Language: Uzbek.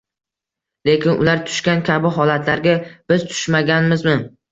Lekin ular tushgan kabi holatlarga biz tushmaganmizmi?